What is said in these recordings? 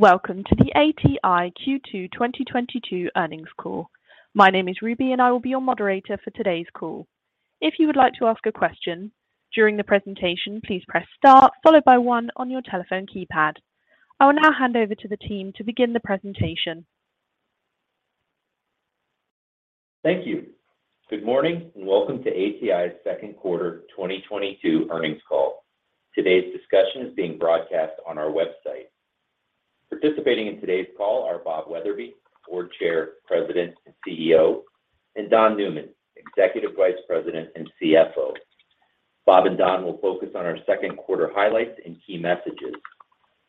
Welcome to the ATI Q2 2022 earnings call. My name is Ruby, and I will be your moderator for today's call. If you would like to ask a question during the presentation, please press star followed by one on your telephone keypad. I will now hand over to the team to begin the presentation. Thank you. Good morning, and welcome to ATI's second quarter 2022 earnings call. Today's discussion is being broadcast on our website. Participating in today's call are Bob Wetherbee, Board Chair, President, and CEO, and Don Newman, Executive Vice President and CFO. Bob and Don will focus on our second quarter highlights and key messages.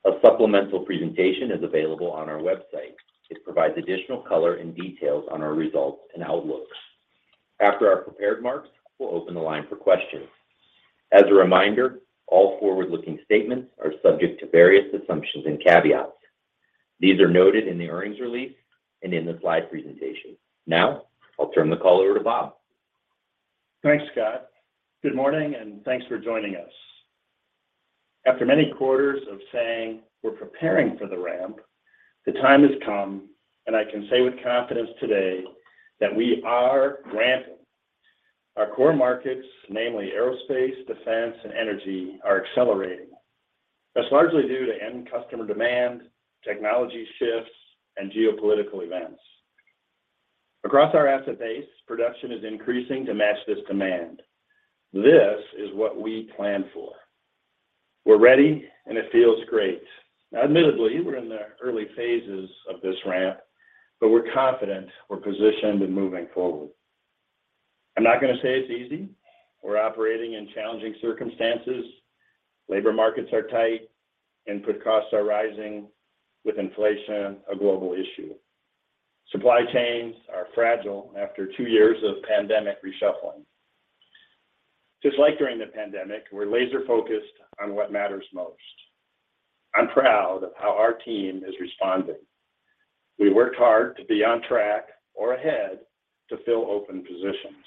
A supplemental presentation is available on our website. It provides additional color and details on our results and outlooks. After our prepared remarks, we'll open the line for questions. As a reminder, all forward-looking statements are subject to various assumptions and caveats. These are noted in the earnings release and in the slide presentation. Now I'll turn the call over to Bob. Thanks, Scott. Good morning, and thanks for joining us. After many quarters of saying we're preparing for the ramp, the time has come, and I can say with confidence today that we are ramping. Our core markets, namely aerospace, defense, and energy, are accelerating. That's largely due to end customer demand, technology shifts, and geopolitical events. Across our asset base, production is increasing to match this demand. This is what we planned for. We're ready, and it feels great. Now, admittedly, we're in the early phases of this ramp, but we're confident we're positioned and moving forward. I'm not gonna say it's easy. We're operating in challenging circumstances. Labor markets are tight. Input costs are rising, with inflation a global issue. Supply chains are fragile after two years of pandemic reshuffling. Just like during the pandemic, we're laser-focused on what matters most. I'm proud of how our team is responding. We worked hard to be on track or ahead to fill open positions.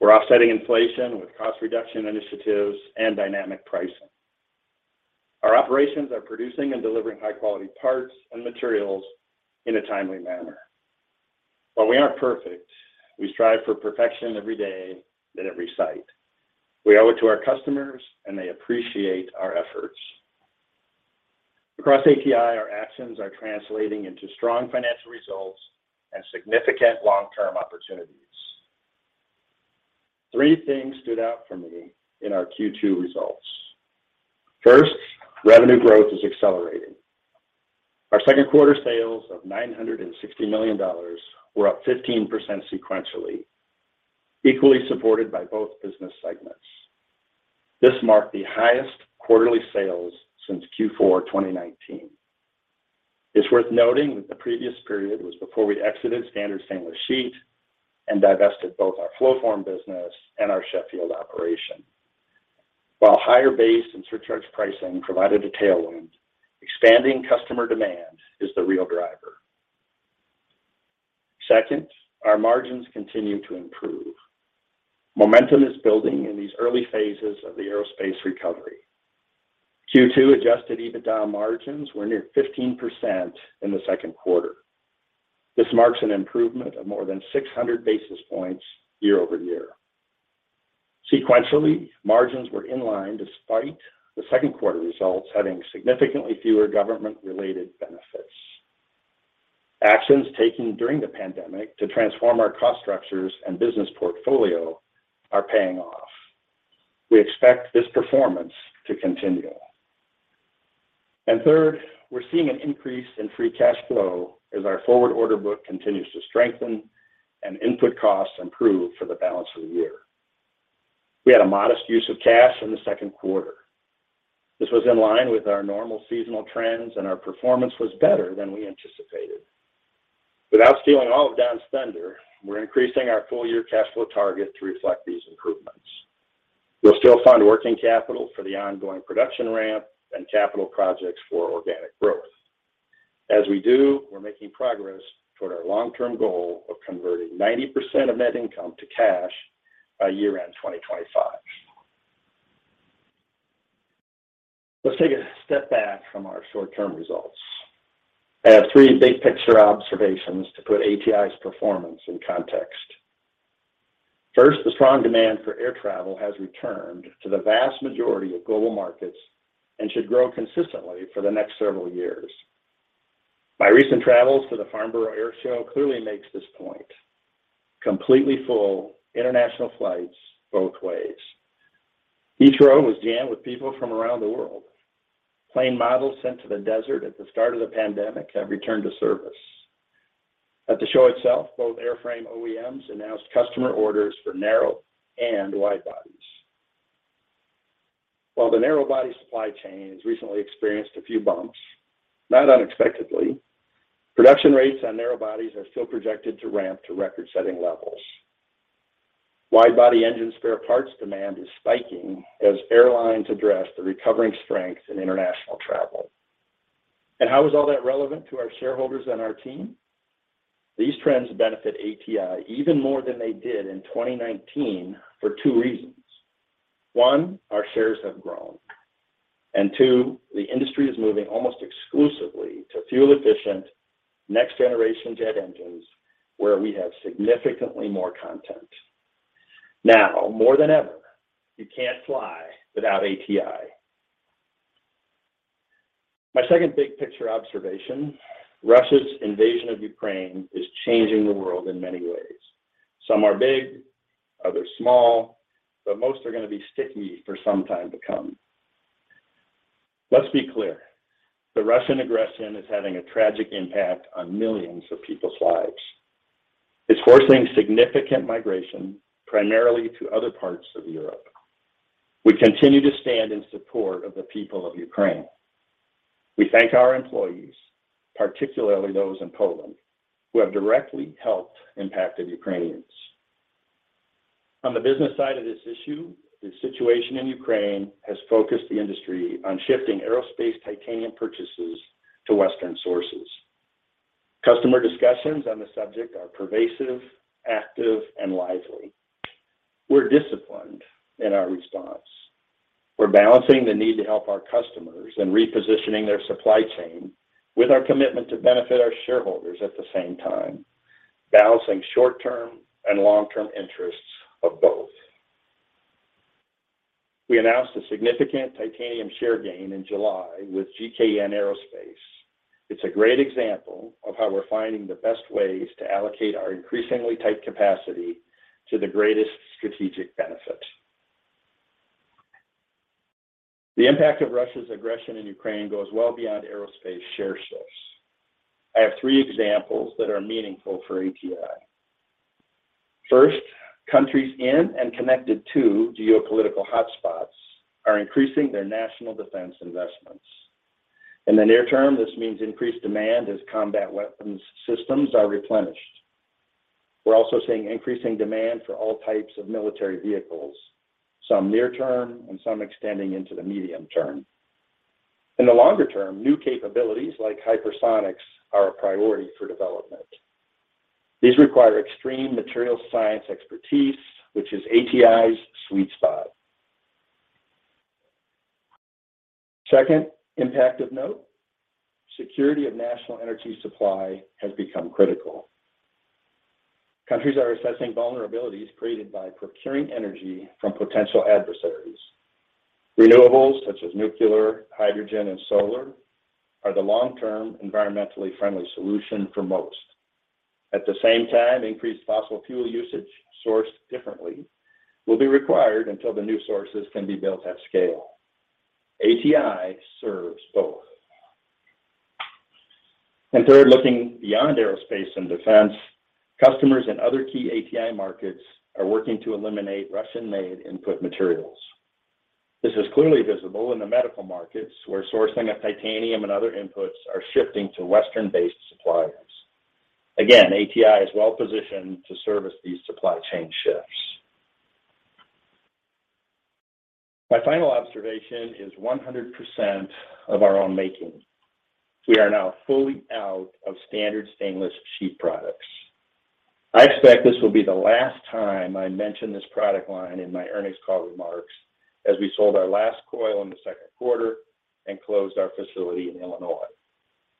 We're offsetting inflation with cost reduction initiatives and dynamic pricing. Our operations are producing and delivering high-quality parts and materials in a timely manner. While we aren't perfect, we strive for perfection every day at every site. We owe it to our customers, and they appreciate our efforts. Across ATI, our actions are translating into strong financial results and significant long-term opportunities. Three things stood out for me in our Q2 results. First, revenue growth is accelerating. Our second quarter sales of $960 million were up 15% sequentially, equally supported by both business segments. This marked the highest quarterly sales since Q4 2019. It's worth noting that the previous period was before we exited standard stainless sheet and divested both our Flowform business and our Sheffield operation. While higher base and surcharge pricing provided a tailwind, expanding customer demand is the real driver. Second, our margins continue to improve. Momentum is building in these early phases of the aerospace recovery. Q2 adjusted EBITDA margins were near 15% in the second quarter. This marks an improvement of more than 600 basis points year-over-year. Sequentially, margins were in line despite the second quarter results having significantly fewer government-related benefits. Actions taken during the pandemic to transform our cost structures and business portfolio are paying off. We expect this performance to continue. Third, we're seeing an increase in free cash flow as our forward order book continues to strengthen and input costs improve for the balance of the year. We had a modest use of cash in the second quarter. This was in line with our normal seasonal trends, and our performance was better than we anticipated. Without stealing all of Don's thunder, we're increasing our full year cash flow target to reflect these improvements. We'll still fund working capital for the ongoing production ramp and capital projects for organic growth. As we do, we're making progress toward our long-term goal of converting 90% of net income to cash by year-end 2025. Let's take a step back from our short-term results. I have three big-picture observations to put ATI's performance in context. First, the strong demand for air travel has returned to the vast majority of global markets and should grow consistently for the next several years. My recent travels to the Farnborough Airshow clearly makes this point. Completely full international flights both ways. Each row was jammed with people from around the world. Plane models sent to the desert at the start of the pandemic have returned to service. At the show itself, both airframe OEMs announced customer orders for narrow and wide bodies. While the narrow body supply chain has recently experienced a few bumps, not unexpectedly, production rates on narrow bodies are still projected to ramp to record-setting levels. Wide body engine spare parts demand is spiking as airlines address the recovering strength in international travel. How is all that relevant to our shareholders and our team? These trends benefit ATI even more than they did in 2019 for two reasons. One, our shares have grown, and two, the industry is moving almost exclusively to fuel-efficient next generation jet engines where we have significantly more content. Now, more than ever, you can't fly without ATI. My second big picture observation, Russia's invasion of Ukraine is changing the world in many ways. Some are big, others small, but most are gonna be sticky for some time to come. Let's be clear, the Russian aggression is having a tragic impact on millions of people's lives. It's forcing significant migration primarily to other parts of Europe. We continue to stand in support of the people of Ukraine. We thank our employees, particularly those in Poland, who have directly helped impacted Ukrainians. On the business side of this issue, the situation in Ukraine has focused the industry on shifting aerospace titanium purchases to Western sources. Customer discussions on the subject are pervasive, active, and lively. We're disciplined in our response. We're balancing the need to help our customers in repositioning their supply chain with our commitment to benefit our shareholders at the same time, balancing short-term and long-term interests of both. We announced a significant titanium share gain in July with GKN Aerospace. It's a great example of how we're finding the best ways to allocate our increasingly tight capacity to the greatest strategic benefit. The impact of Russia's aggression in Ukraine goes well beyond aerospace share shifts. I have three examples that are meaningful for ATI. First, countries in and connected to geopolitical hotspots are increasing their national defense investments. In the near term, this means increased demand as combat weapons systems are replenished. We're also seeing increasing demand for all types of military vehicles, some near term and some extending into the medium term. In the longer term, new capabilities like hypersonics are a priority for development. These require extreme material science expertise, which is ATI's sweet spot. Second impact of note, security of national energy supply has become critical. Countries are assessing vulnerabilities created by procuring energy from potential adversaries. Renewables such as nuclear, hydrogen, and solar are the long-term environmentally friendly solution for most. At the same time, increased fossil fuel usage sourced differently will be required until the new sources can be built at scale. ATI serves both. Third, looking beyond aerospace and defense, customers in other key ATI markets are working to eliminate Russian-made input materials. This is clearly visible in the medical markets where sourcing of titanium and other inputs are shifting to Western-based suppliers. Again, ATI is well-positioned to service these supply chain shifts. My final observation is 100% of our own making. We are now fully out of standard stainless sheet products. I expect this will be the last time I mention this product line in my earnings call remarks, as we sold our last coil in the second quarter and closed our facility in Illinois,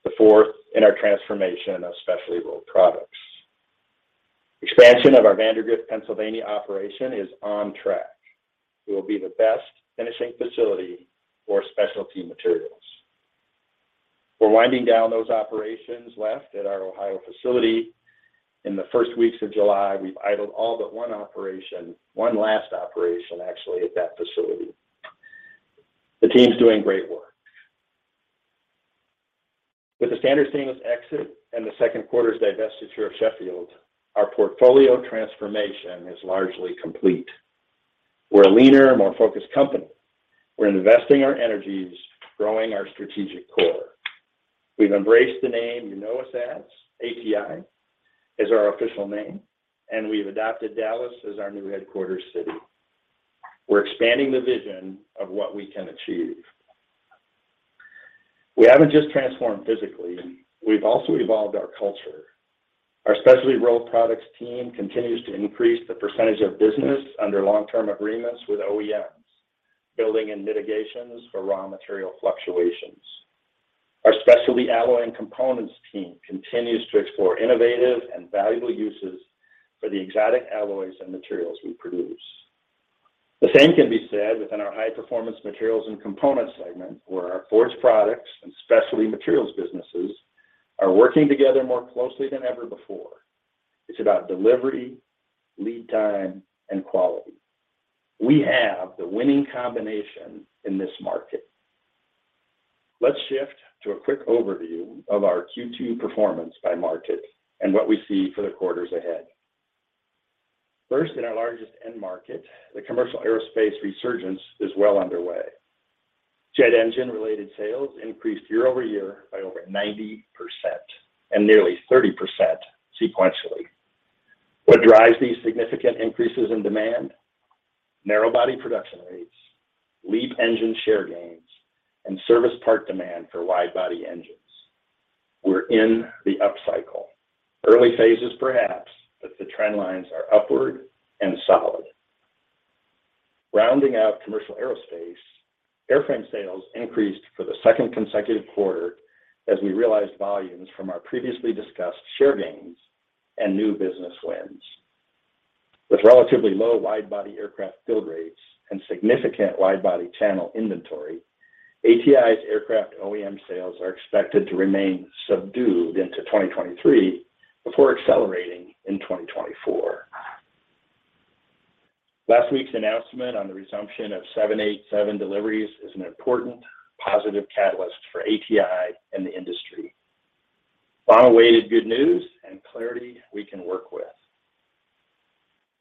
the fourth in our transformation of Specialty Rolled Products. Expansion of our Vandergrift, Pennsylvania operation is on track. It will be the best finishing facility for specialty materials. We're winding down those operations left at our Ohio facility. In the first weeks of July, we've idled all but one operation, one last operation actually at that facility. The team's doing great work. With the standard stainless exit and the second quarter's divestiture of Sheffield, our portfolio transformation is largely complete. We're a leaner, more focused company. We're investing our energies growing our strategic core. We've embraced the name you know us as, ATI is our official name, and we've adopted Dallas as our new headquarters city. We're expanding the vision of what we can achieve. We haven't just transformed physically, we've also evolved our culture. Our Specialty Rolled Products team continues to increase the percentage of business under long-term agreements with OEMs, building in mitigations for raw material fluctuations. Our Specialty Alloys and Components team continues to explore innovative and valuable uses for the exotic alloys and materials we produce. The same can be said within our High-Performance Materials and Components segment where our forged products and specialty materials businesses are working together more closely than ever before. It's about delivery, lead time, and quality. We have the winning combination in this market. Let's shift to a quick overview of our Q2 performance by market and what we see for the quarters ahead. First, in our largest end market, the commercial aerospace resurgence is well underway. Jet engine-related sales increased year-over-year by over 90% and nearly 30% sequentially. What drives these significant increases in demand? Narrow body production rates, LEAP engine share gains, and service part demand for wide-body engines. We're in the upcycle. Early phases, perhaps, but the trend lines are upward and solid. Rounding out commercial aerospace, airframe sales increased for the second consecutive quarter as we realized volumes from our previously discussed share gains and new business wins. With relatively low wide-body aircraft build rates and significant wide-body channel inventory, ATI's aircraft OEM sales are expected to remain subdued into 2023 before accelerating in 2024. Last week's announcement on the resumption of 787 deliveries is an important positive catalyst for ATI and the industry. Long-awaited good news and clarity we can work with.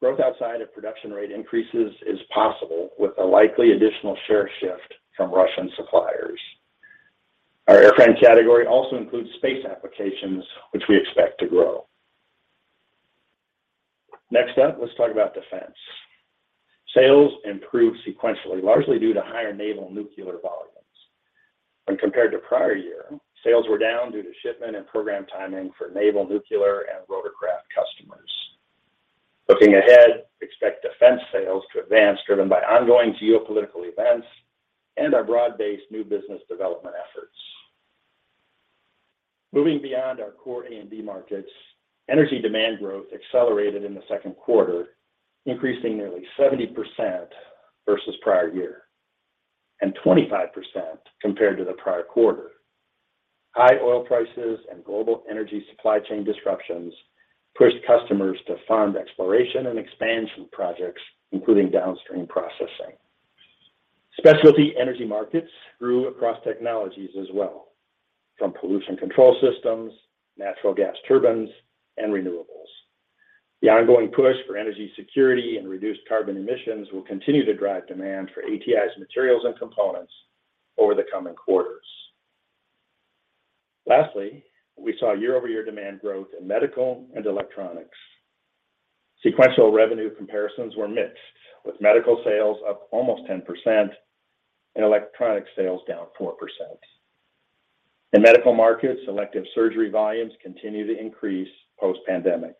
Growth outside of production rate increases is possible with a likely additional share shift from Russian suppliers. Our airframe category also includes space applications, which we expect to grow. Next up, let's talk about defense. Sales improved sequentially, largely due to higher naval nuclear volumes. When compared to prior year, sales were down due to shipment and program timing for naval nuclear and rotorcraft customers. Looking ahead, expect defense sales to advance, driven by ongoing geopolitical events and our broad-based new business development efforts. Moving beyond our core A&D markets, energy demand growth accelerated in the second quarter, increasing nearly 70% versus prior year, and 25% compared to the prior quarter. High oil prices and global energy supply chain disruptions pushed customers to fund exploration and expansion projects, including downstream processing. Specialty energy markets grew across technologies as well, from pollution control systems, natural gas turbines, and renewables. The ongoing push for energy security and reduced carbon emissions will continue to drive demand for ATI's materials and components over the coming quarters. Lastly, we saw year-over-year demand growth in medical and electronics. Sequential revenue comparisons were mixed, with medical sales up almost 10% and electronic sales down 4%. In medical markets, elective surgery volumes continue to increase post-pandemic.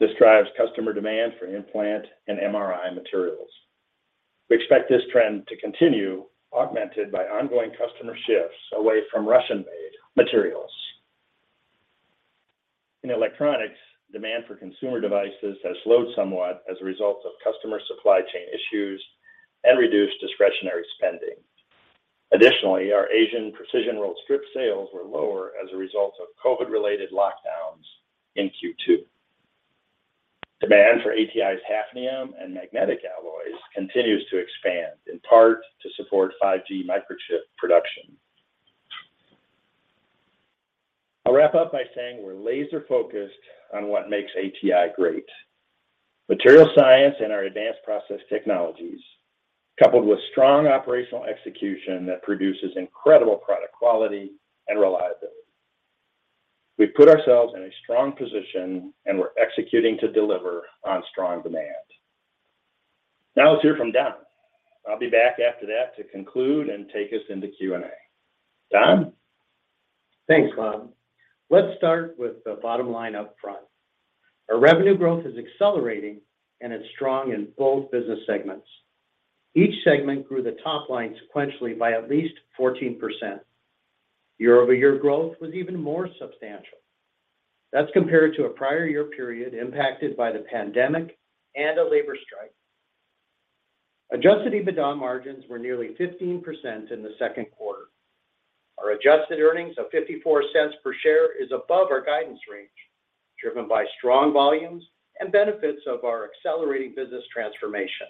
This drives customer demand for implant and MRI materials. We expect this trend to continue, augmented by ongoing customer shifts away from Russian-made materials. In electronics, demand for consumer devices has slowed somewhat as a result of customer supply chain issues and reduced discretionary spending. Additionally, our Asian precision rolled strip sales were lower as a result of COVID-related lockdowns in Q2. Demand for ATI's hafnium and magnetic alloys continues to expand, in part to support 5G microchip production. I'll wrap up by saying we're laser-focused on what makes ATI great: material science and our advanced process technologies, coupled with strong operational execution that produces incredible product quality and reliability. We've put ourselves in a strong position, and we're executing to deliver on strong demand. Now, let's hear from Don. I'll be back after that to conclude and take us into Q&A. Don? Thanks, Rob. Let's start with the bottom line up front. Our revenue growth is accelerating, and it's strong in both business segments. Each segment grew the top line sequentially by at least 14%. Year-over-year growth was even more substantial. That's compared to a prior year period impacted by the pandemic and a labor strike. Adjusted EBITDA margins were nearly 15% in the second quarter. Our adjusted earnings of $0.54 per share is above our guidance range, driven by strong volumes and benefits of our accelerating business transformation.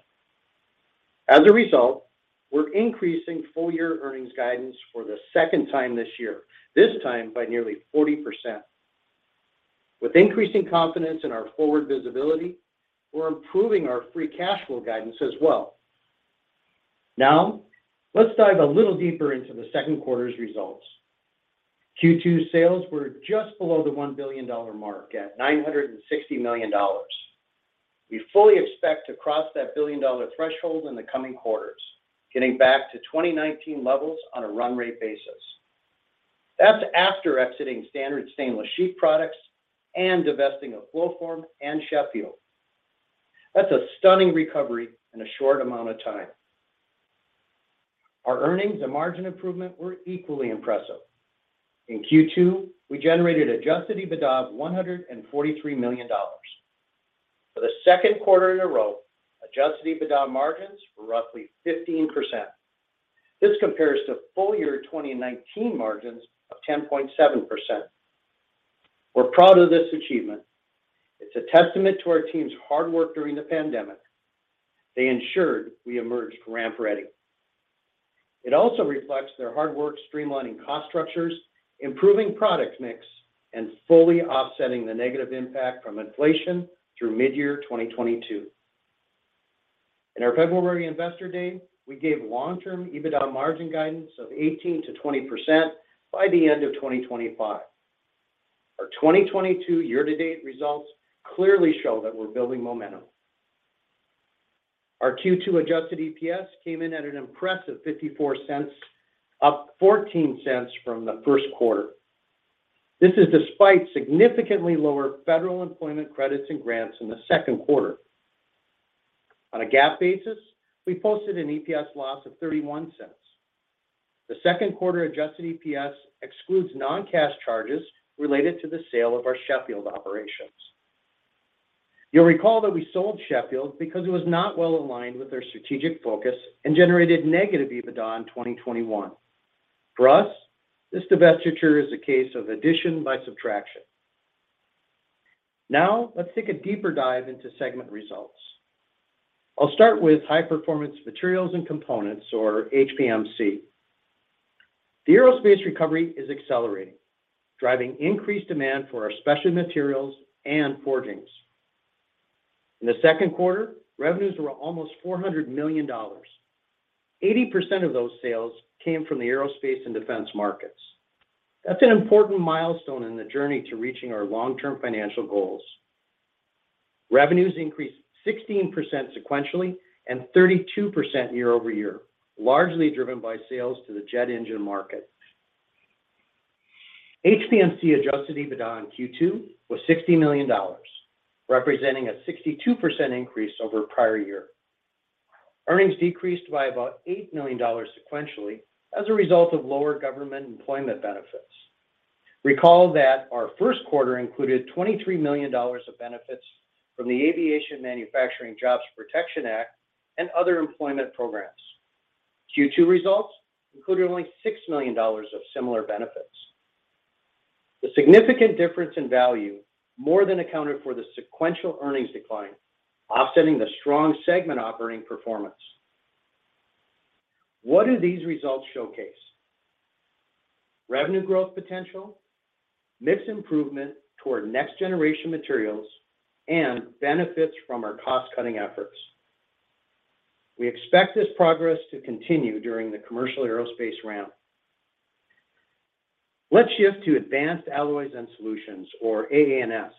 As a result, we're increasing full-year earnings guidance for the second time this year, this time by nearly 40%. With increasing confidence in our forward visibility, we're improving our free cash flow guidance as well. Now, let's dive a little deeper into the second quarter's results. Q2 sales were just below the $1 billion mark at $960 million. We fully expect to cross that $1 billion-dollar threshold in the coming quarters, getting back to 2019 levels on a run rate basis. That's after exiting standard stainless sheet products and divesting of Flowform and Sheffield. That's a stunning recovery in a short amount of time. Our earnings and margin improvement were equally impressive. In Q2, we generated adjusted EBITDA of $143 million. For the second quarter in a row, adjusted EBITDA margins were roughly 15%. This compares to full year 2019 margins of 10.7%. We're proud of this achievement. It's a testament to our team's hard work during the pandemic. They ensured we emerged ramp ready. It also reflects their hard work streamlining cost structures, improving product mix, and fully offsetting the negative impact from inflation through mid-year 2022. In our February Investor Day, we gave long-term EBITDA margin guidance of 18%-20% by the end of 2025. Our 2022 year-to-date results clearly show that we're building momentum. Our Q2 adjusted EPS came in at an impressive $0.54, up $0.14 from the first quarter. This is despite significantly lower federal employment credits and grants in the second quarter. On a GAAP basis, we posted an EPS loss of $0.31. The second quarter adjusted EPS excludes non-cash charges related to the sale of our Sheffield operations. You'll recall that we sold Sheffield because it was not well aligned with our strategic focus and generated negative EBITDA in 2021. For us, this divestiture is a case of addition by subtraction. Now, let's take a deeper dive into segment results. I'll start with High-Performance Materials and Components, or HPMC. The aerospace recovery is accelerating, driving increased demand for our specialty materials and forgings. In the second quarter, revenues were almost $400 million. 80% of those sales came from the aerospace and defense markets. That's an important milestone in the journey to reaching our long-term financial goals. Revenues increased 16% sequentially and 32% year-over-year, largely driven by sales to the jet engine market. HPMC adjusted EBITDA in Q2 was $60 million, representing a 62% increase over prior year. Earnings decreased by about $8 million sequentially as a result of lower government employment benefits. Recall that our first quarter included $23 million of benefits from the Aviation Manufacturing Jobs Protection Program and other employment programs. Q2 results included only $6 million of similar benefits. The significant difference in value more than accounted for the sequential earnings decline, offsetting the strong segment operating performance. What do these results showcase? Revenue growth potential, mix improvement toward next generation materials, and benefits from our cost-cutting efforts. We expect this progress to continue during the commercial aerospace ramp. Let's shift to Advanced Alloys and Solutions, or AA&S.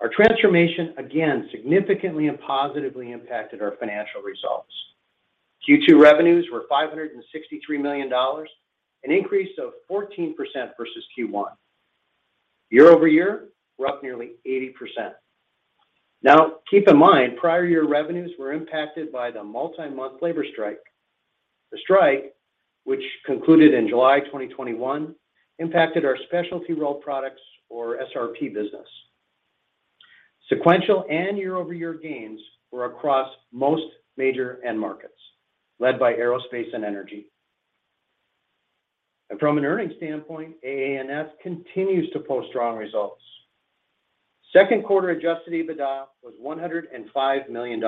Our transformation, again, significantly and positively impacted our financial results. Q2 revenues were $563 million, an increase of 14% versus Q1. Year-over-year, we're up nearly 80%. Now, keep in mind, prior year revenues were impacted by the multi-month labor strike. The strike, which concluded in July 2021, impacted our Specialty Rolled Products, or SRP, business. Sequential and year-over-year gains were across most major end markets, led by aerospace and energy. From an earnings standpoint, AA&S continues to post strong results. Second quarter adjusted EBITDA was $105 million.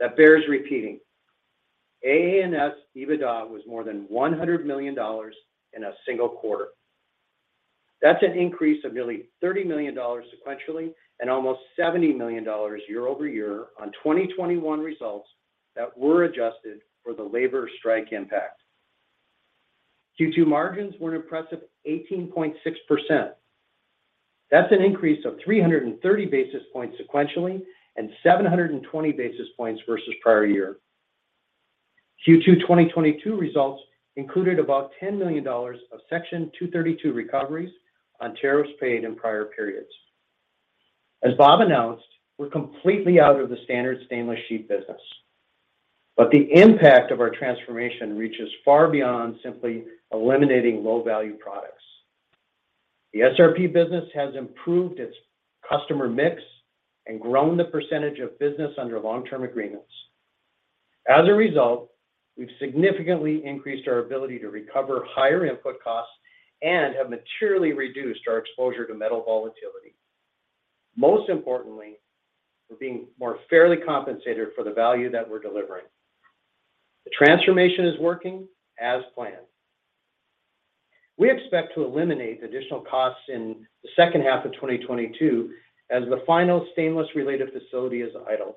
That bears repeating. AA&S EBITDA was more than $100 million in a single quarter. That's an increase of nearly $30 million sequentially and almost $70 million year-over-year on 2021 results that were adjusted for the labor strike impact. Q2 margins were an impressive 18.6%. That's an increase of 330 basis points sequentially and 720 basis points versus prior year. Q2 2022 results included about $10 million of Section 232 recoveries on tariffs paid in prior periods. As Bob announced, we're completely out of the standard stainless sheet business. The impact of our transformation reaches far beyond simply eliminating low-value products. The SRP business has improved its customer mix and grown the percentage of business under long-term agreements. As a result, we've significantly increased our ability to recover higher input costs and have materially reduced our exposure to metal volatility. Most importantly, we're being more fairly compensated for the value that we're delivering. The transformation is working as planned. We expect to eliminate additional costs in the second half of 2022 as the final stainless-related facility is idle.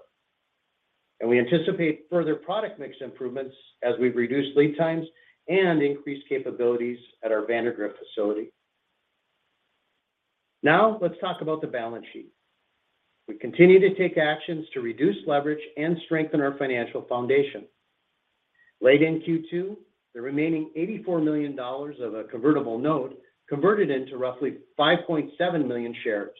We anticipate further product mix improvements as we reduce lead times and increase capabilities at our Vandergrift facility. Now, let's talk about the balance sheet. We continue to take actions to reduce leverage and strengthen our financial foundation. Late in Q2, the remaining $84 million of a convertible note converted into roughly 5.7 million shares.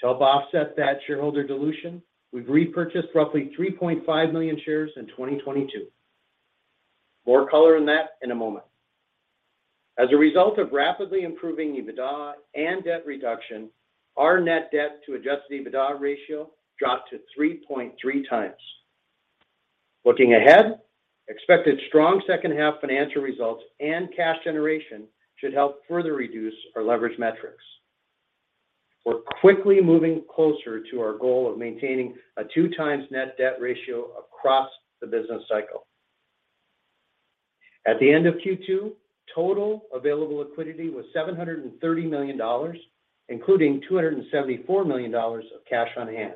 To help offset that shareholder dilution, we've repurchased roughly 3.5 million shares in 2022. More color on that in a moment. As a result of rapidly improving EBITDA and debt reduction, our net debt to adjusted EBITDA ratio dropped to 3.3 times. Looking ahead, expected strong second half financial results and cash generation should help further reduce our leverage metrics. We're quickly moving closer to our goal of maintaining a 2 times net debt ratio across the business cycle. At the end of Q2, total available liquidity was $730 million, including $274 million of cash on hand.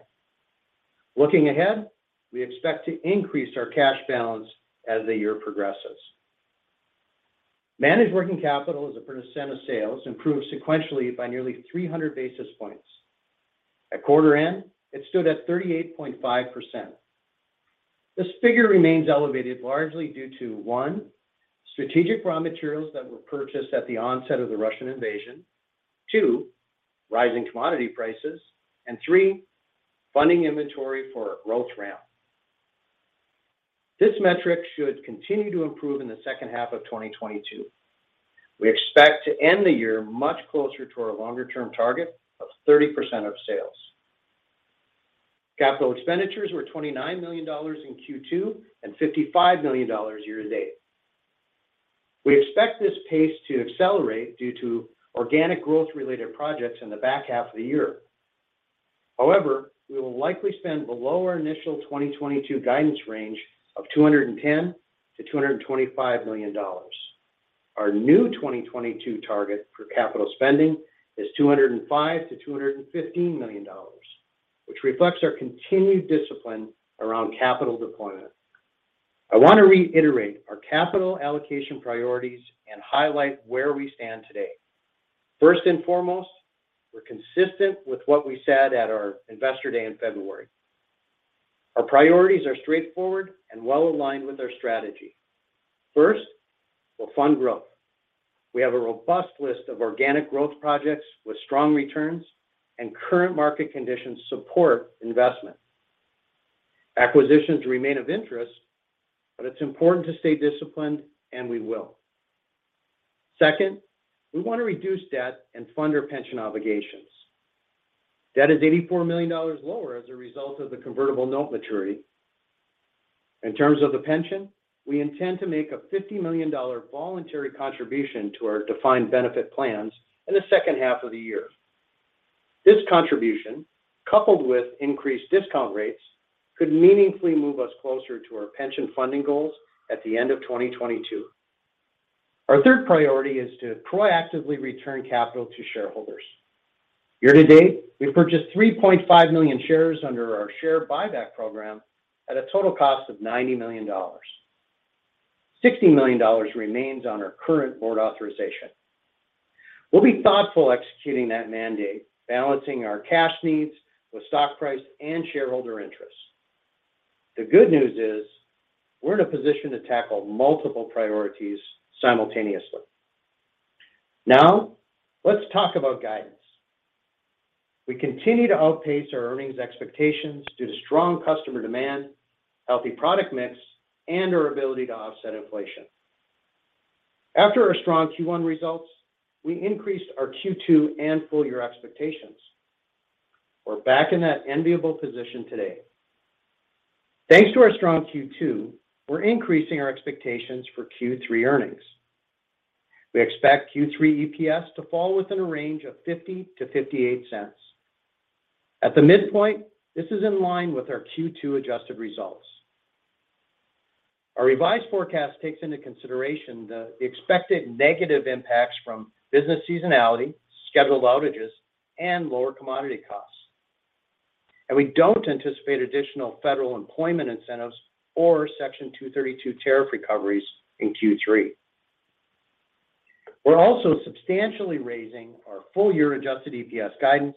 Looking ahead, we expect to increase our cash balance as the year progresses. Managed working capital as a percent of sales improved sequentially by nearly 300 basis points. At quarter end, it stood at 38.5%. This figure remains elevated largely due to, one, strategic raw materials that were purchased at the onset of the Russian invasion. Two, rising commodity prices. Three, funding inventory for growth ramp. This metric should continue to improve in the second half of 2022. We expect to end the year much closer to our longer-term target of 30% of sales. Capital expenditures were $29 million in Q2, and $55 million year-to-date. We expect this pace to accelerate due to organic growth-related projects in the back half of the year. However, we will likely spend below our initial 2022 guidance range of $210 million-$225 million. Our new 2022 target for capital spending is $205 million-$215 million, which reflects our continued discipline around capital deployment. I want to reiterate our capital allocation priorities and highlight where we stand today. First and foremost, we're consistent with what we said at our Investor Day in February. Our priorities are straightforward and well-aligned with our strategy. First, we'll fund growth. We have a robust list of organic growth projects with strong returns and current market conditions support investment. Acquisitions remain of interest, but it's important to stay disciplined, and we will. Second, we want to reduce debt and fund our pension obligations. Debt is $84 million lower as a result of the convertible note maturity. In terms of the pension, we intend to make a $50 million voluntary contribution to our defined benefit plans in the second half of the year. This contribution, coupled with increased discount rates, could meaningfully move us closer to our pension funding goals at the end of 2022. Our third priority is to proactively return capital to shareholders. Year-to-date, we've purchased 3.5 million shares under our share buyback program at a total cost of $90 million. $60 million remains on our current board authorization. We'll be thoughtful executing that mandate, balancing our cash needs with stock price and shareholder interest. The good news is we're in a position to tackle multiple priorities simultaneously. Now, let's talk about guidance. We continue to outpace our earnings expectations due to strong customer demand, healthy product mix, and our ability to offset inflation. After our strong Q1 results, we increased our Q2 and full-year expectations. We're back in that enviable position today. Thanks to our strong Q2, we're increasing our expectations for Q3 earnings. We expect Q3 EPS to fall within a range of $0.50-$0.58. At the midpoint, this is in line with our Q2 adjusted results. Our revised forecast takes into consideration the expected negative impacts from business seasonality, scheduled outages, and lower commodity costs. We don't anticipate additional federal employment incentives or Section 232 tariff recoveries in Q3. We're also substantially raising our full-year adjusted EPS guidance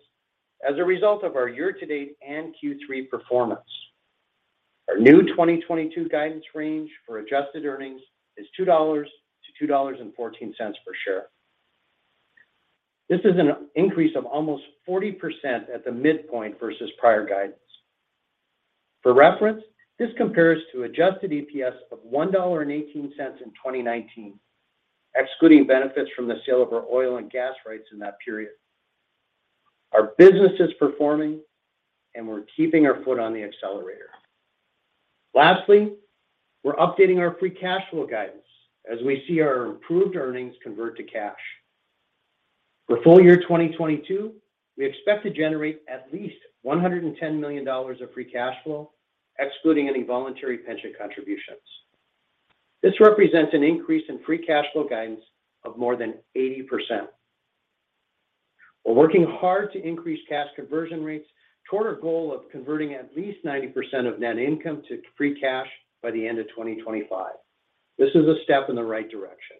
as a result of our year-to-date and Q3 performance. Our new 2022 guidance range for adjusted earnings is $2 to $2.14 per share. This is an increase of almost 40% at the midpoint versus prior guidance. For reference, this compares to adjusted EPS of $1.18 in 2019, excluding benefits from the sale of our oil and gas rights in that period. Our business is performing, and we're keeping our foot on the accelerator. Lastly, we're updating our free cash flow guidance as we see our improved earnings convert to cash. For full year 2022, we expect to generate at least $110 million of free cash flow, excluding any voluntary pension contributions. This represents an increase in free cash flow guidance of more than 80%. We're working hard to increase cash conversion rates toward our goal of converting at least 90% of net income to free cash by the end of 2025. This is a step in the right direction.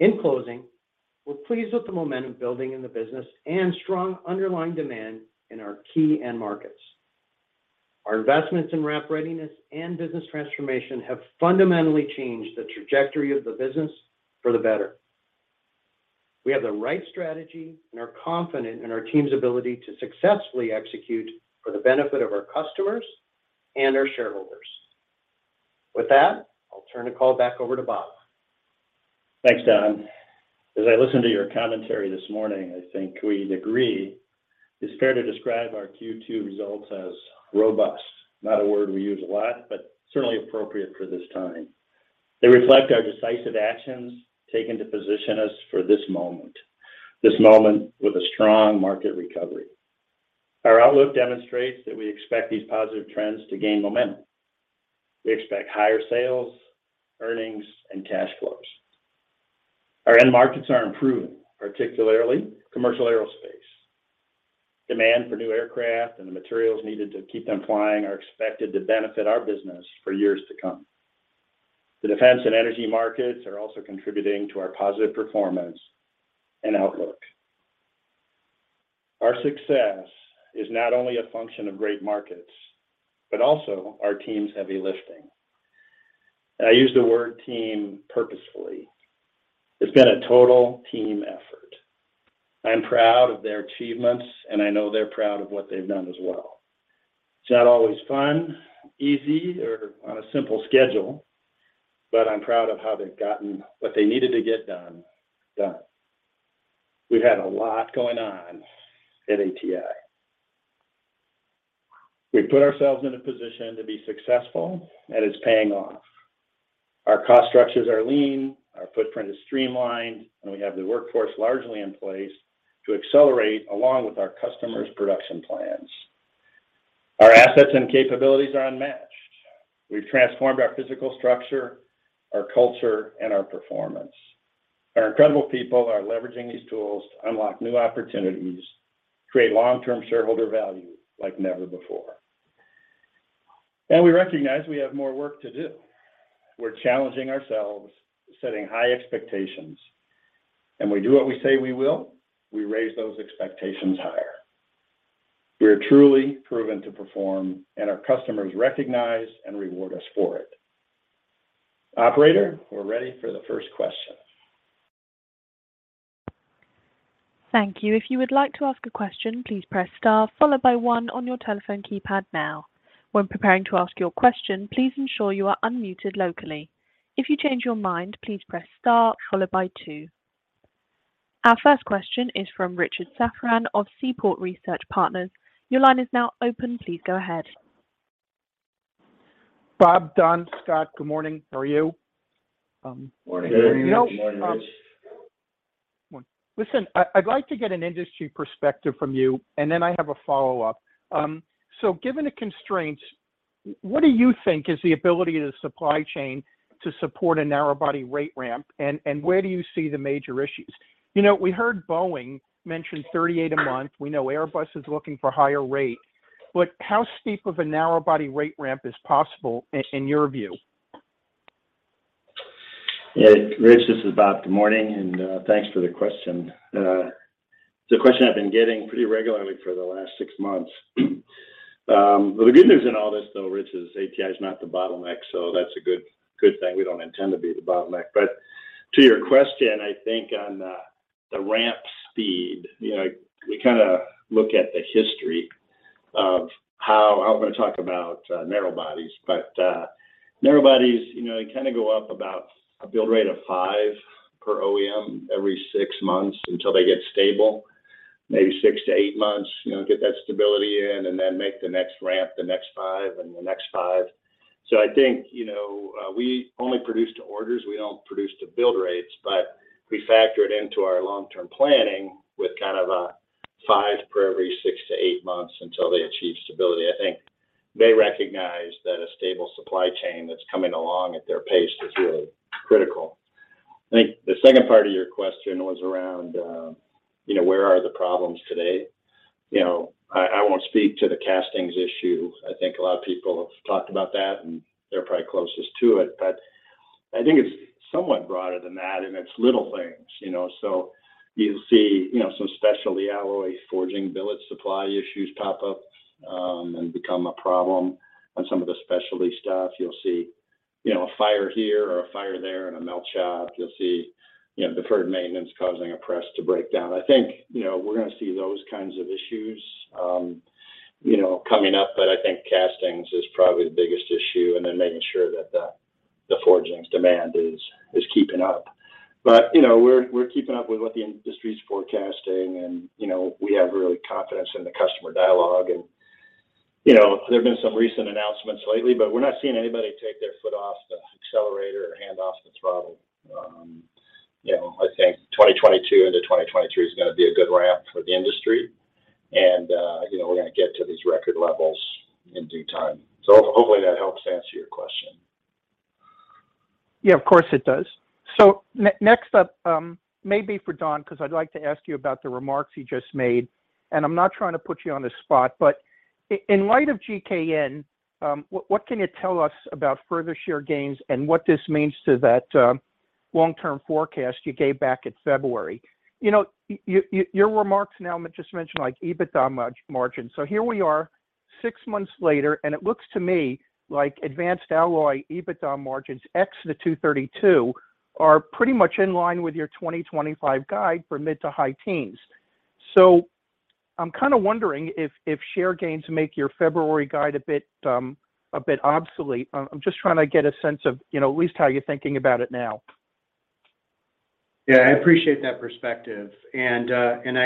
In closing, we're pleased with the momentum building in the business and strong underlying demand in our key end markets. Our investments in ramp readiness and business transformation have fundamentally changed the trajectory of the business for the better. We have the right strategy and are confident in our team's ability to successfully execute for the benefit of our customers and our shareholders. With that, I'll turn the call back over to Bob. Thanks, Don. As I listen to your commentary this morning, I think we'd agree it's fair to describe our Q2 results as robust. Not a word we use a lot, but certainly appropriate for this time. They reflect our decisive actions taken to position us for this moment with a strong market recovery. Our outlook demonstrates that we expect these positive trends to gain momentum. We expect higher sales, earnings, and cash flows. Our end markets are improving, particularly commercial aerospace. Demand for new aircraft and the materials needed to keep them flying are expected to benefit our business for years to come. The defense and energy markets are also contributing to our positive performance and outlook. Our success is not only a function of great markets, but also our team's heavy lifting. I use the word team purposefully. It's been a total team effort. I'm proud of their achievements, and I know they're proud of what they've done as well. It's not always fun, easy, or on a simple schedule, but I'm proud of how they've gotten what they needed to get done. We've had a lot going on at ATI. We've put ourselves in a position to be successful, and it's paying off. Our cost structures are lean, our footprint is streamlined, and we have the workforce largely in place to accelerate along with our customers' production plans. Our assets and capabilities are unmatched. We've transformed our physical structure, our culture, and our performance. Our incredible people are leveraging these tools to unlock new opportunities, create long-term shareholder value like never before. We recognize we have more work to do. We're challenging ourselves, setting high expectations, and we do what we say we will. We raise those expectations higher. We are truly proven to perform, and our customers recognize and reward us for it. Operator, we're ready for the first question. Thank you. If you would like to ask a question, please press star followed by one on your telephone keypad now. When preparing to ask your question, please ensure you are unmuted locally. If you change your mind, please press star followed by two. Our first question is from Richard Safran of Seaport Research Partners. Your line is now open. Please go ahead. Bob, Don, Scott, good morning. How are you? Morning. Good morning. Listen, I'd like to get an industry perspective from you, and then I have a follow-up. Given the constraints, what do you think is the ability of the supply chain to support a narrow body rate ramp? And where do you see the major issues? You know, we heard Boeing mention 38 a month. We know Airbus is looking for higher rate. How steep of a narrow body rate ramp is possible in your view? Yeah, Rich, this is Bob. Good morning, and thanks for the question. It's a question I've been getting pretty regularly for the last 6 months. Well, the good news in all this though, Rich, is ATI is not the bottleneck, so that's a good thing. We don't intend to be the bottleneck. To your question, I think on the ramp speed, you know, we kinda look at the history. I'm gonna talk about narrow bodies. Narrow bodies, you know, they kinda go up about a build rate of 5 per OEM every six months until they get stable, maybe six to eight months. You know, get that stability in, and then make the next ramp the next 5 and the next 5. I think, you know, we only produce to orders. We don't produce to build rates. We factor it into our long-term planning with kind of a 5 for every six to eight months until they achieve stability. I think they recognize that a stable supply chain that's coming along at their pace is really critical. I think the second part of your question was around, you know, where are the problems today. You know, I won't speak to the castings issue. I think a lot of people have talked about that, and they're probably closest to it. But I think it's somewhat broader than that, and it's little things, you know. You'll see, you know, some specialty alloys, forging billet supply issues pop up, and become a problem on some of the specialty stuff. You'll see, you know, a fire here or a fire there in a melt shop. You'll see, you know, deferred maintenance causing a press to break down. I think, you know, we're gonna see those kinds of issues, you know, coming up. I think castings is probably the biggest issue, and then making sure that the forging's demand is keeping up. You know, we're keeping up with what the industry's forecasting, and, you know, we have real confidence in the customer dialogue. You know, there have been some recent announcements lately, but we're not seeing anybody take their foot off the accelerator or hand off the throttle. You know, I think 2022 into 2023 is gonna be a good ramp for the industry. You know, we're gonna get to these record levels in due time. Hopefully that helps answer your question. Yeah, of course it does. Next up may be for Don, 'cause I'd like to ask you about the remarks you just made. I'm not trying to put you on the spot, but in light of GKN, what can you tell us about further share gains and what this means to that long-term forecast you gave back at February? You know, your remarks now just mentioned like EBITDA margin. Here we are six months later, and it looks to me like Advanced Alloys EBITDA margins ex the 232 are pretty much in line with your 2025 guide for mid- to high teens. I'm kinda wondering if share gains make your February guide a bit obsolete. I'm just trying to get a sense of, you know, at least how you're thinking about it now. Yeah, I appreciate that perspective. I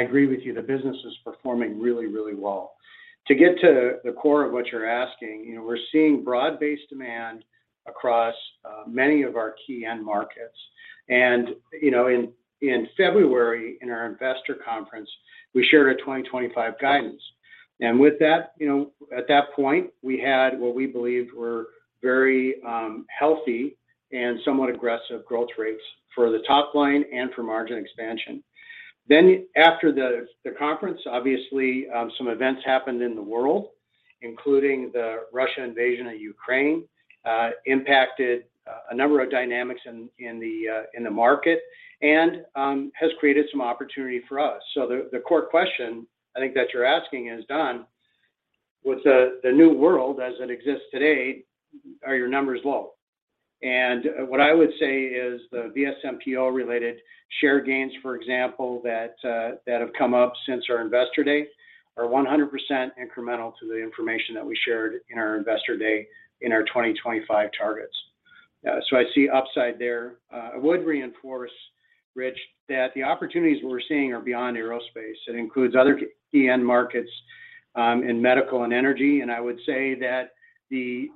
agree with you, the business is performing really, really well. To get to the core of what you're asking, you know, we're seeing broad-based demand across many of our key end markets. You know, in February, in our investor conference, we shared 2025 guidance. With that, you know, at that point, we had what we believed were very healthy and somewhat aggressive growth rates for the top line and for margin expansion. After the conference, obviously, some events happened in the world, including the Russian invasion of Ukraine, impacted a number of dynamics in the market and has created some opportunity for us. The core question I think that you're asking is, Don, with the new world as it exists today, are your numbers low? What I would say is the VSMPO-related share gains, for example, that have come up since our investor day are 100% incremental to the information that we shared in our investor day in our 2025 targets. I see upside there. I would reinforce, Rich, that the opportunities we're seeing are beyond aerospace. It includes other key end markets in medical and energy. I would say that the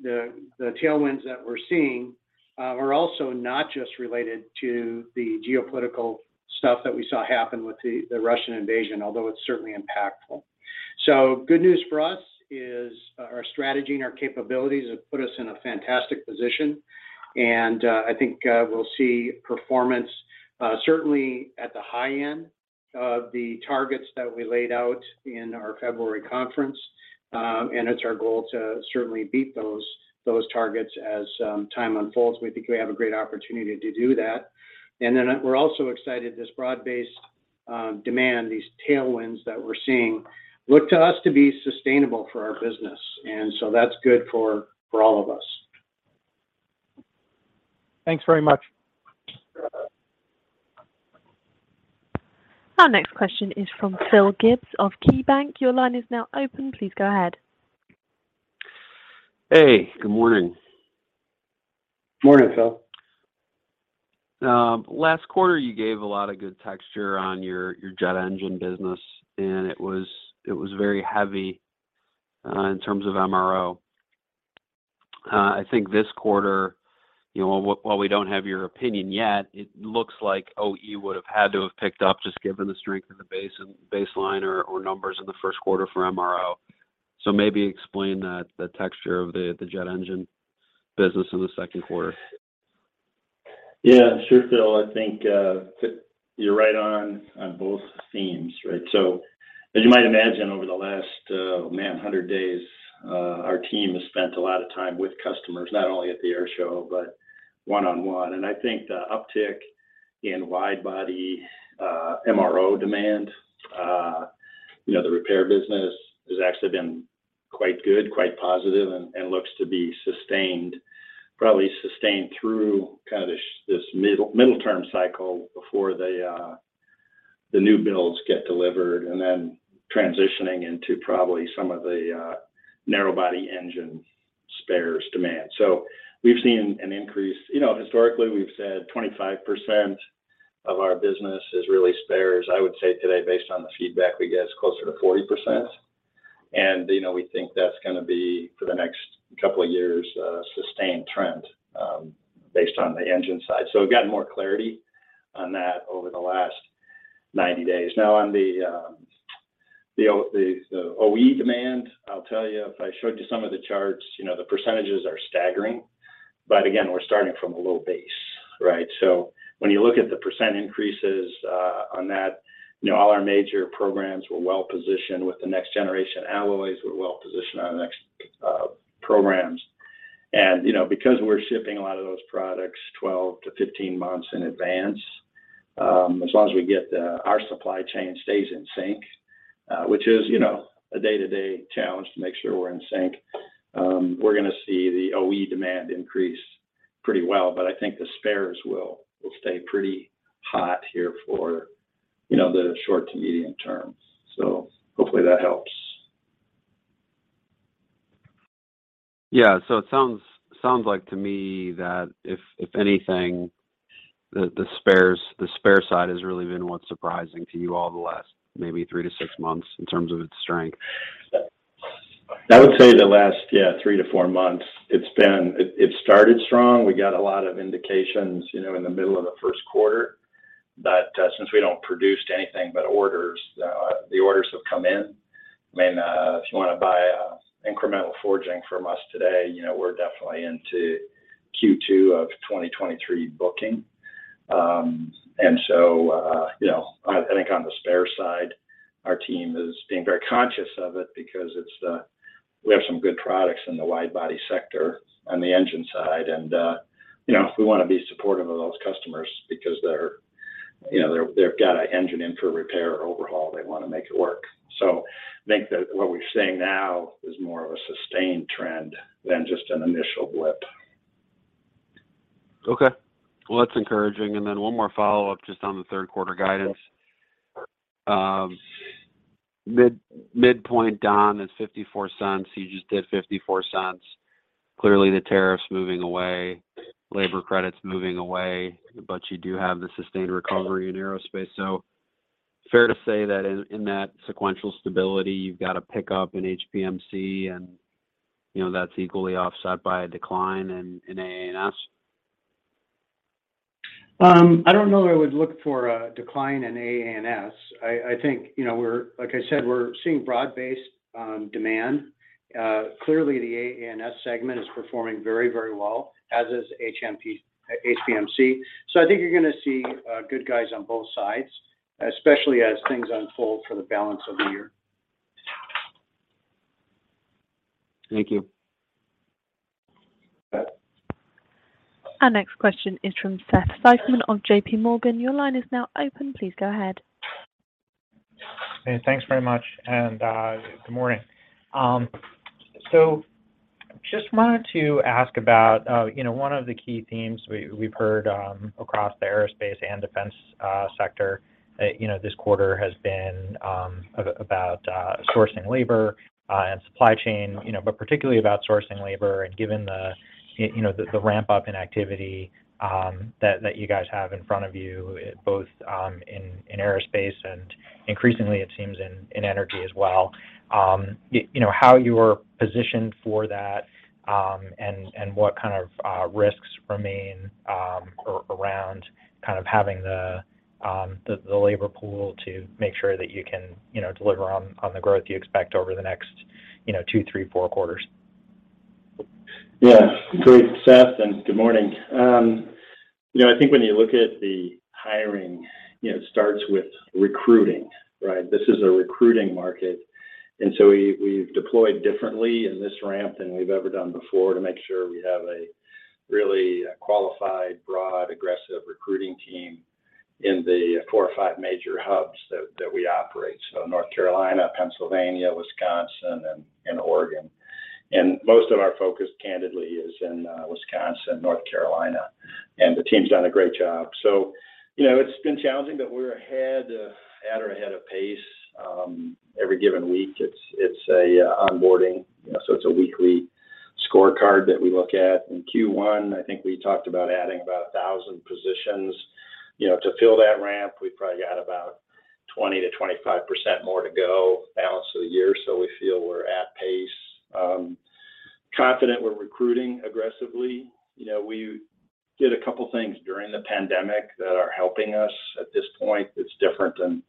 tailwinds that we're seeing are also not just related to the geopolitical stuff that we saw happen with the Russian invasion, although it's certainly impactful. Good news for us is our strategy and our capabilities have put us in a fantastic position, and I think we'll see performance certainly at the high end of the targets that we laid out in our February conference. It's our goal to certainly beat those targets as time unfolds. We think we have a great opportunity to do that. We're also excited this broad-based demand, these tailwinds that we're seeing look to us to be sustainable for our business. That's good for all of us. Thanks very much. Our next question is from Phil Gibbs of KeyBanc. Your line is now open. Please go ahead. Hey, good morning. Morning, Phil. Last quarter, you gave a lot of good texture on your jet engine business, and it was very heavy in terms of MRO. I think this quarter, you know, while we don't have your opinion yet, it looks like OE would have had to have picked up just given the strength of the baseline or numbers in the first quarter for MRO. Maybe explain that, the texture of the jet engine business in the second quarter. Yeah, sure, Phil. I think you're right on both themes, right? As you might imagine, over the last 100 days, our team has spent a lot of time with customers, not only at the air show, but one-on-one. I think the uptick in wide body MRO demand, you know, the repair business has actually been quite good, quite positive, and looks to be sustained, probably sustained through kind of this middle term cycle before the new builds get delivered and then transitioning into probably some of the narrow body engine spares demand. We've seen an increase. You know, historically, we've said 25% of our business is really spares. I would say today, based on the feedback we get, it's closer to 40%. You know, we think that's gonna be, for the next couple of years, a sustained trend based on the engine side. We've gotten more clarity on that over the last 90 days. Now on the OE demand, I'll tell you, if I showed you some of the charts, you know, the percentages are staggering, but again, we're starting from a low base, right? When you look at the percent increases on that, you know, all our major programs were well-positioned with the next generation alloys. We're well-positioned on the next programs. You know, because we're shipping a lot of those products 12-15 months in advance, as long as our supply chain stays in sync, which is, you know, a day-to-day challenge to make sure we're in sync, we're gonna see the OE demand increase pretty well. But I think the spares will stay pretty hot here for, you know, the short to medium term. Hopefully that helps. It sounds like to me that if anything, the spares, the spare side has really been what's surprising to you all the last maybe three to six months in terms of its strength. I would say the last, yeah, three to four months it's been. It started strong. We got a lot of indications, you know, in the middle of the first quarter. Since we don't produce anything but orders, the orders have come in. I mean, if you wanna buy incremental forging from us today, you know, we're definitely into Q2 of 2023 booking. I think on the spare side, our team is being very conscious of it because we have some good products in the wide body sector on the engine side and, you know, we wanna be supportive of those customers because they've got an engine in for repair overhaul. They wanna make it work. I think that what we're seeing now is more of a sustained trend than just an initial blip. Okay. Well, that's encouraging. Then one more follow-up just on the third quarter guidance. Midpoint, Don, is $0.54. You just did $0.54. Clearly the tariff's moving away, labor credit's moving away, but you do have the sustained recovery in aerospace. Fair to say that in that sequential stability, you've got a pickup in HPMC and, you know, that's equally offset by a decline in AA&S? I don't know that I would look for a decline in AA&S. I think, you know, like I said, we're seeing broad-based demand. Clearly the AA&S segment is performing very, very well, as is HPMC. I think you're gonna see good guys on both sides, especially as things unfold for the balance of the year. Thank you. Our next question is from Seth Seifman of JPMorgan. Your line is now open. Please go ahead. Hey, thanks very much and, good morning. So just wanted to ask about, you know, one of the key themes we've heard across the aerospace and defense sector, you know, this quarter has been about sourcing labor and supply chain, you know, but particularly about sourcing labor and given the you know, the ramp-up in activity that you guys have in front of you both in aerospace and increasingly it seems in energy as well. You know, how you are positioned for that and what kind of risks remain around kind of having the labor pool to make sure that you can, you know, deliver on the growth you expect over the next, you know, two, three, four quarters? Yeah. Great, Seth, and good morning. You know, I think when you look at the hiring, you know, it starts with recruiting, right? This is a recruiting market, and so we've deployed differently in this ramp than we've ever done before to make sure we have a really qualified, broad, aggressive recruiting team in the four or five major hubs that we operate. North Carolina, Pennsylvania, Wisconsin, and Oregon. Most of our focus, candidly, is in Wisconsin, North Carolina, and the team's done a great job. You know, it's been challenging, but we're ahead at or ahead of pace. Every given week it's onboarding, you know, so it's a weekly scorecard that we look at. In Q1, I think we talked about adding about 1,000 positions. You know, to fill that ramp, we probably got about 20%-25% more to go balance of the year, so we feel we're at pace. We're confident we're recruiting aggressively. You know, we did a couple things during the pandemic that are helping us at this point that's different than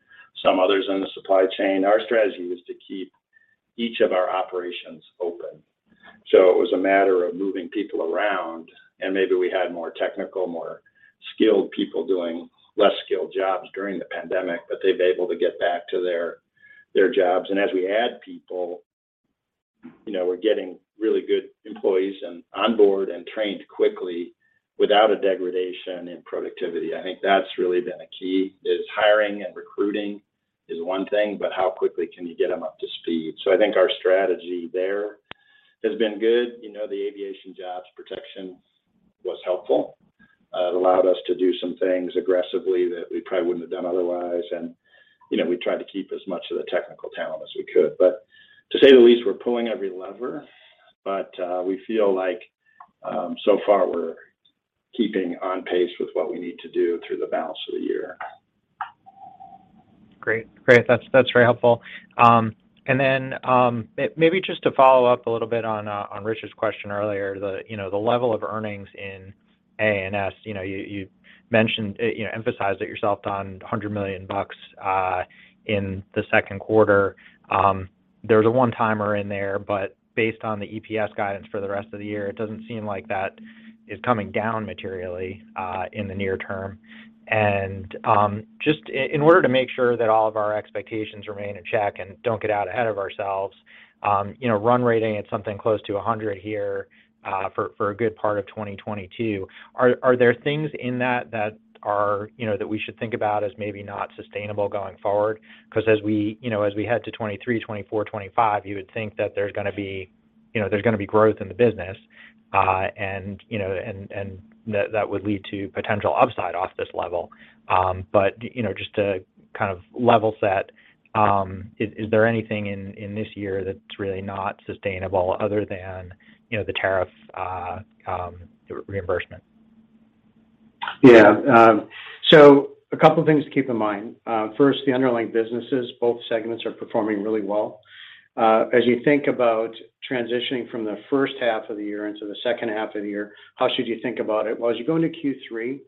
some others in the supply chain. Our strategy was to keep each of our operations open, so it was a matter of moving people around, and maybe we had more technical, more skilled people doing less skilled jobs during the pandemic, but they've been able to get back to their jobs. As we add people, you know, we're getting really good employees onboard and trained quickly without a degradation in productivity. I think that's really been a key. Hiring and recruiting is one thing, but how quickly can you get them up to speed? I think our strategy there has been good. You know, the aviation jobs protection was helpful. It allowed us to do some things aggressively that we probably wouldn't have done otherwise. You know, we tried to keep as much of the technical talent as we could. To say the least, we're pulling every lever, but we feel like so far we're keeping on pace with what we need to do through the balance of the year. Great. That's very helpful. Maybe just to follow up a little bit on Richard's question earlier, you know, the level of earnings in AA&S. You know, you mentioned you know emphasized it yourself, Don, $100 million in the second quarter. There's a one-timer in there, but based on the EPS guidance for the rest of the year, it doesn't seem like that is coming down materially in the near term. Just in order to make sure that all of our expectations remain in check and don't get out ahead of ourselves, you know, run rate at something close to a hundred here for a good part of 2022. Are there things in that that are, you know, that we should think about as maybe not sustainable going forward? 'Cause as we, you know, as we head to 2023, 2024, 2025, you would think that there's gonna be, you know, there's gonna be growth in the business, and, you know, and that would lead to potential upside off this level. But, you know, just to kind of level set, is there anything in this year that's really not sustainable other than, you know, the tariff reimbursement? Yeah. A couple things to keep in mind. First, the underlying businesses, both segments are performing really well. As you think about transitioning from the first half of the year into the second half of the year, how should you think about it? Well, as you go into Q3,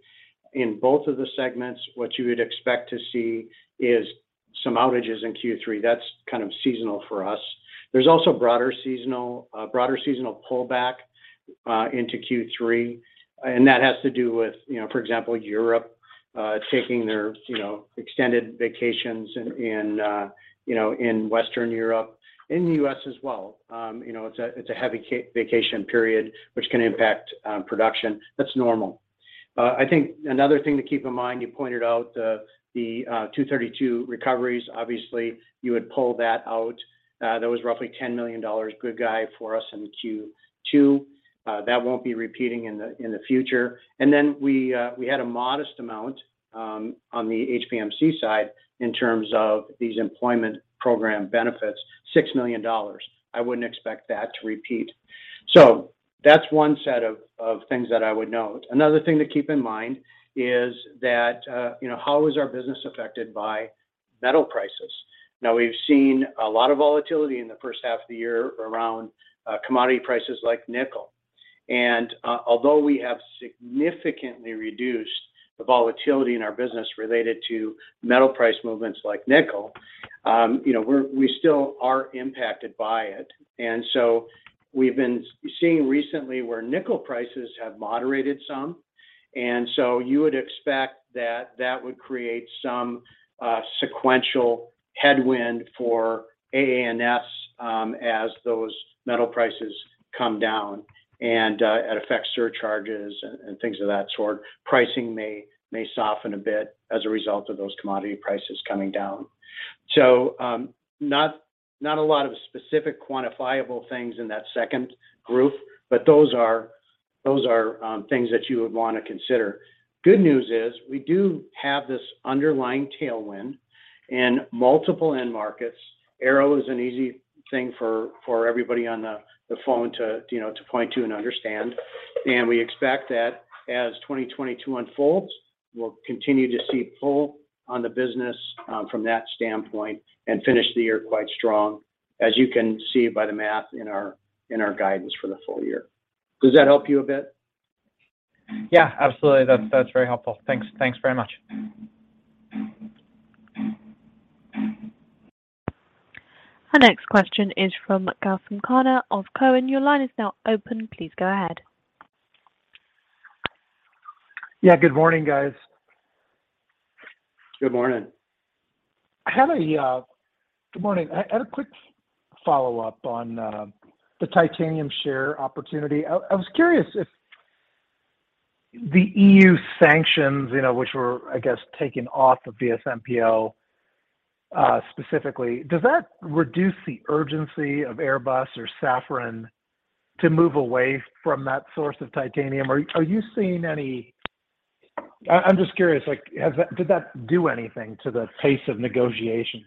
in both of the segments, what you would expect to see is some outages in Q3. That's kind of seasonal for us. There's also broader seasonal pullback into Q3, and that has to do with, you know, for example, Europe taking their, you know, extended vacations in Western Europe. In the U.S. as well. You know, it's a heavy vacation period, which can impact production. That's normal. I think another thing to keep in mind. You pointed out the Section 232 recoveries. Obviously, you would pull that out. That was roughly $10 million good guy for us in Q2. That won't be repeating in the future. Then we had a modest amount on the HPMC side in terms of these employment program benefits, $6 million. I wouldn't expect that to repeat. That's one set of things that I would note. Another thing to keep in mind is that, you know, how is our business affected by metal prices. Now we've seen a lot of volatility in the first half of the year around commodity prices like nickel. Although we have significantly reduced the volatility in our business related to metal price movements like nickel, you know, we still are impacted by it. We've been seeing recently where nickel prices have moderated some. You would expect that would create some sequential headwind for AA&S, as those metal prices come down and it affects surcharges and things of that sort. Pricing may soften a bit as a result of those commodity prices coming down. Not a lot of specific quantifiable things in that second group, but those are things that you would wanna consider. Good news is we do have this underlying tailwind in multiple end markets. Aero is an easy thing for everybody on the phone to, you know, to point to and understand. We expect that as 2022 unfolds, we'll continue to see pull on the business, from that standpoint and finish the year quite strong, as you can see by the math in our guidance for the full year. Does that help you a bit? Yeah, absolutely. That's very helpful. Thanks. Thanks very much. Our next question is from Gautam Khanna of Cowen. Your line is now open. Please go ahead. Yeah. Good morning, guys. Good morning. Good morning. I had a quick follow-up on the titanium share opportunity. I was curious if the EU sanctions, you know, which were, I guess, taken off of VSMPO specifically, does that reduce the urgency of Airbus or Safran to move away from that source of titanium? Are you seeing any. I'm just curious, like, did that do anything to the pace of negotiations?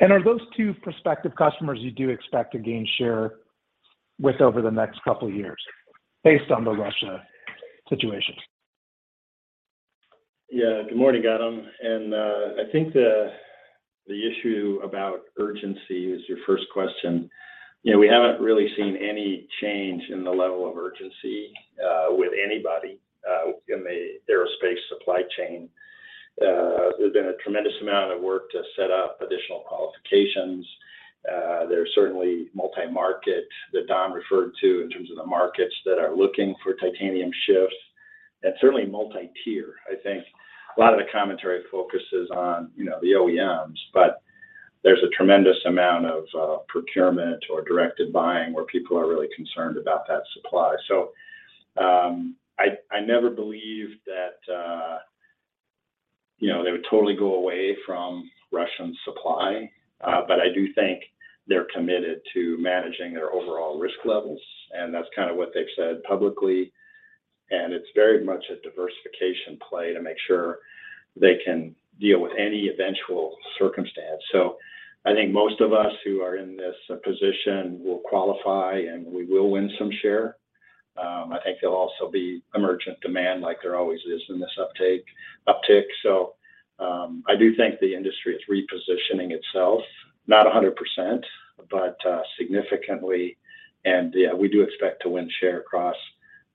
And are those two prospective customers you do expect to gain share with over the next couple of years based on the Russia situation? Yeah. Good morning, Gautam. I think the issue about urgency is your first question. You know, we haven't really seen any change in the level of urgency with anybody in the aerospace supply chain. There's been a tremendous amount of work to set up additional qualifications. There's certainly multi-market that Don referred to in terms of the markets that are looking for titanium shifts. Certainly multi-tier. I think a lot of the commentary focuses on, you know, the OEMs, but there's a tremendous amount of procurement or directed buying where people are really concerned about that supply. I never believed that, you know, they would totally go away from Russian supply. But I do think they're committed to managing their overall risk levels, and that's kind of what they've said publicly. It's very much a diversification play to make sure they can deal with any eventual circumstance. I think most of us who are in this position will qualify, and we will win some share. I think there'll also be emergent demand like there always is in this uptick. I do think the industry is repositioning itself, not 100%, but significantly. Yeah, we do expect to win share across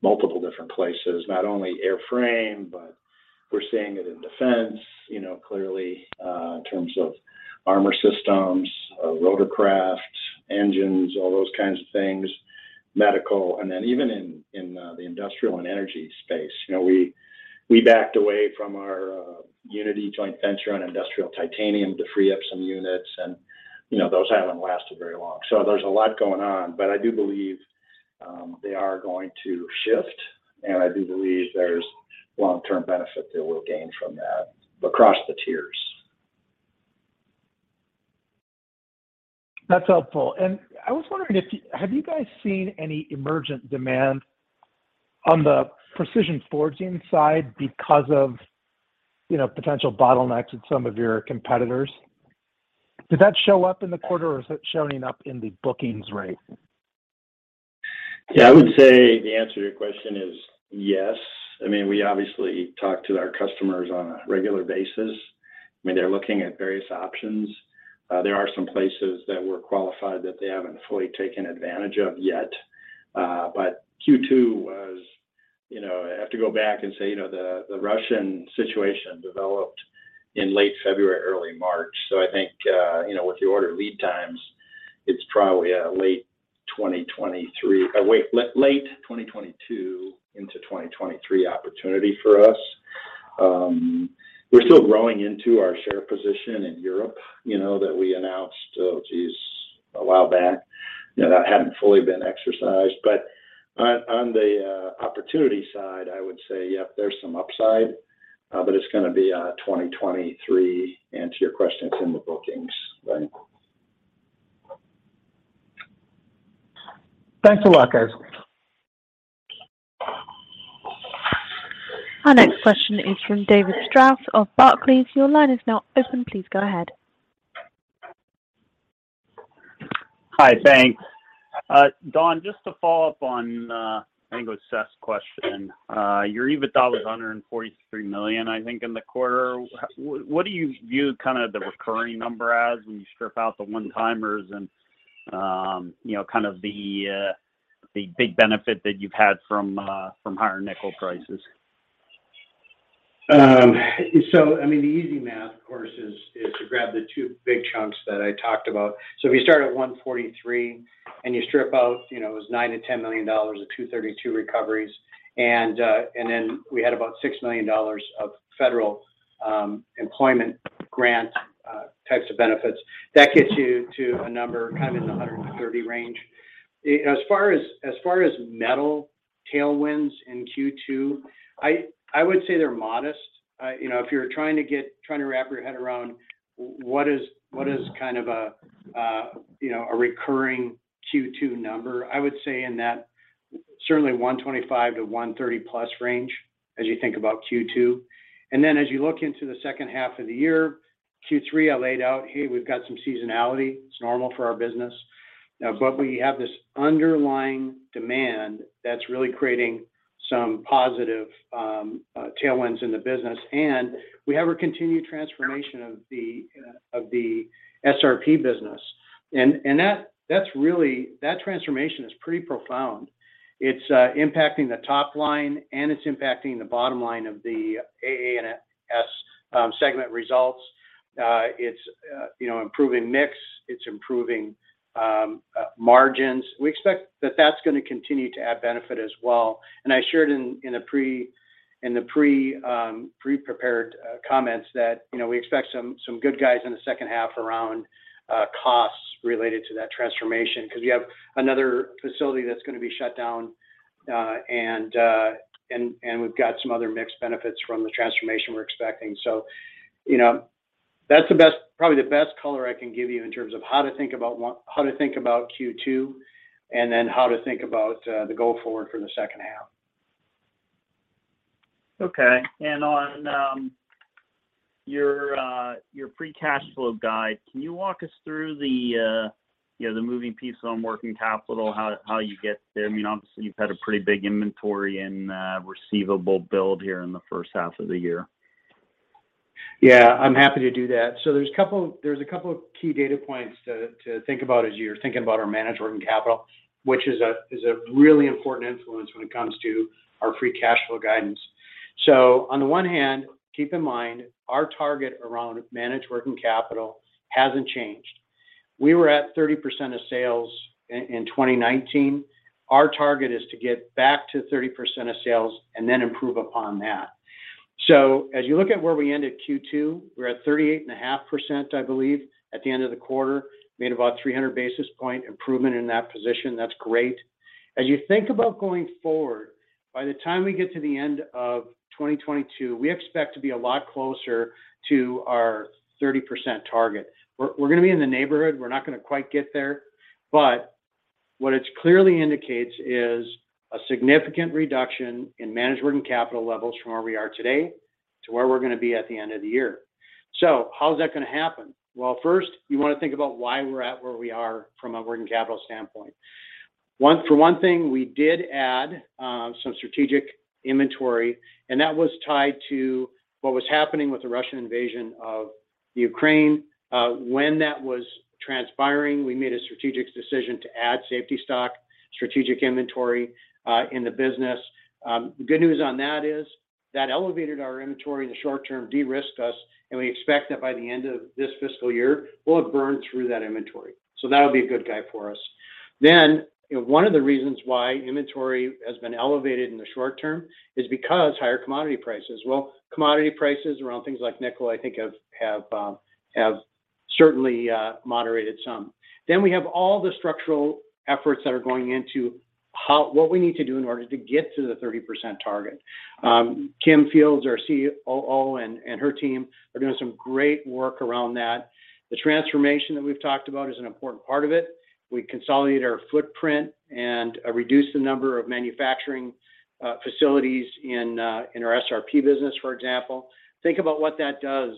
multiple different places. Not only airframe, but we're seeing it in defense, you know, clearly, in terms of armor systems, rotorcraft, engines, all those kinds of things, medical, and then even in the industrial and energy space. You know, we backed away from our Uniti joint venture on industrial titanium to free up some units. You know, those haven't lasted very long. There's a lot going on. I do believe they are going to shift, and I do believe there's long-term benefit that we'll gain from that across the tiers. That's helpful. I was wondering, have you guys seen any emergent demand on the precision forging side because of, you know, potential bottlenecks at some of your competitors? Did that show up in the quarter, or is it showing up in the bookings rate? Yeah. I would say the answer to your question is yes. I mean, we obviously talk to our customers on a regular basis when they're looking at various options. There are some places that we're qualified that they haven't fully taken advantage of yet. But Q2 was. You know, I have to go back and say, you know, the Russian situation developed in late February, early March. So I think, you know, with the order lead times, it's probably a late 2022 into 2023 opportunity for us. We're still growing into our share position in Europe, you know, that we announced, oh, geez, a while back. You know, that hadn't fully been exercised. But on the opportunity side, I would say, yep, there's some upside, but it's gonna be a 2023 answer your question. It's in the bookings bank. Thanks a lot, guys. Our next question is from David Strauss of Barclays. Your line is now open. Please go ahead. Hi, thanks. Don, just to follow up on, I think it was Seth's question. Your EBITDA was $143 million, I think, in the quarter. What do you view kind of the recurring number as when you strip out the one-timers and, you know, kind of the big benefit that you've had from higher nickel prices? I mean, the easy math of course is to grab the two big chunks that I talked about. If you start at 143 and you strip out, you know, it was $9 million-$10 million of Section 232 recoveries and then we had about $6 million of federal employment grant types of benefits. That gets you to a number kind of in the 130 range. As far as metal tailwinds in Q2, I would say they're modest. You know, if you're trying to wrap your head around what is kind of a recurring Q2 number, I would say in that certainly 125-130+ range as you think about Q2. As you look into the second half of the year, Q3, I laid out, hey, we've got some seasonality. It's normal for our business. But we have this underlying demand that's really creating some positive tailwinds in the business. We have our continued transformation of the SRP business. That transformation is really profound. It's impacting the top line, and it's impacting the bottom line of the AA&S segment results. It's you know, improving mix. It's improving margins. We expect that that's gonna continue to add benefit as well. I shared in the pre-prepared comments that, you know, we expect some good guys in the second half around costs related to that transformation because you have another facility that's gonna be shut down, and we've got some other mixed benefits from the transformation we're expecting. You know, that's the best, probably the best color I can give you in terms of how to think about Q2 and then how to think about the go forward for the second half. Okay. On your free cash flow guide, can you walk us through the moving piece on working capital, how you get there? I mean, obviously you've had a pretty big inventory and receivable build here in the first half of the year. Yeah, I'm happy to do that. There's a couple of key data points to think about as you're thinking about our managed working capital, which is a really important influence when it comes to our free cash flow guidance. On the one hand, keep in mind our target around managed working capital hasn't changed. We were at 30% of sales in 2019. Our target is to get back to 30% of sales and then improve upon that. As you look at where we ended Q2, we're at 38.5%, I believe, at the end of the quarter. Made about 300 basis point improvement in that position. That's great. As you think about going forward, by the time we get to the end of 2022, we expect to be a lot closer to our 30% target. We're gonna be in the neighborhood. We're not gonna quite get there. What it clearly indicates is a significant reduction in managed working capital levels from where we are today to where we're gonna be at the end of the year. How is that gonna happen? Well, first, you wanna think about why we're at where we are from a working capital standpoint. One, for one thing, we did add some strategic inventory, and that was tied to what was happening with the Russian invasion of Ukraine. When that was transpiring, we made a strategic decision to add safety stock, strategic inventory, in the business. The good news on that is that elevated our inventory in the short term, de-risked us, and we expect that by the end of this fiscal year, we'll have burned through that inventory. That'll be a good guy for us. You know, one of the reasons why inventory has been elevated in the short term is because higher commodity prices. Well, commodity prices around things like nickel, I think have certainly moderated some. We have all the structural efforts that are going into what we need to do in order to get to the 30% target. Kimberly Fields, our COO, and her team are doing some great work around that. The transformation that we've talked about is an important part of it. We consolidate our footprint and reduce the number of manufacturing facilities in our SRP business, for example. Think about what that does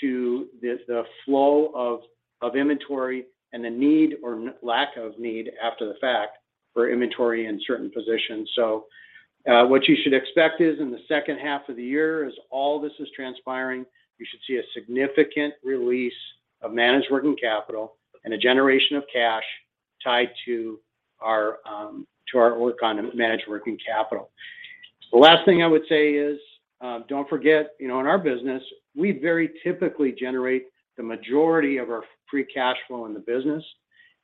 to the flow of inventory and the need or lack of need after the fact for inventory in certain positions. What you should expect is in the second half of the year, as all this is transpiring, you should see a significant release of managed working capital and a generation of cash tied to our work on managed working capital. The last thing I would say is, don't forget, you know, in our business, we very typically generate the majority of our free cash flow in the business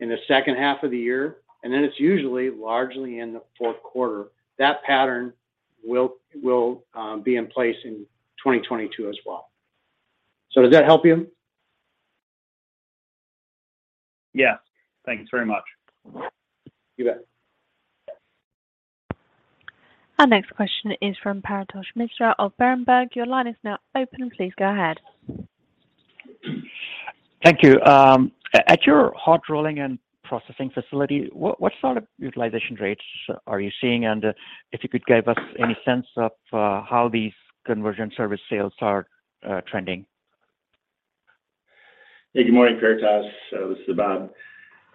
in the second half of the year, and then it's usually largely in the fourth quarter. That pattern will be in place in 2022 as well. Does that help you? Yes. Thank you very much. You bet. Our next question is from Paretosh Misra of Berenberg. Your line is now open. Please go ahead. Thank you. At your hot rolling and processing facility, what sort of utilization rates are you seeing? If you could give us any sense of how these conversion service sales are trending. Hey, good morning, Paretosh. This is Bob.